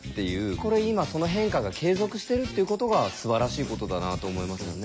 これ今その変化が継続してるっていうことがすばらしいことだなと思いますよね。